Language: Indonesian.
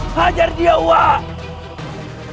hajar dia wak